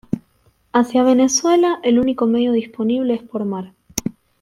Hacia Venezuela el único medio disponible es por mar.